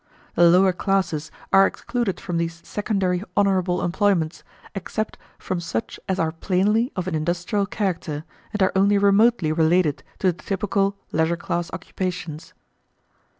The lower classes are excluded from these secondary honourable employments, except from such as are plainly of an industrial character and are only remotely related to the typical leisure class occupations.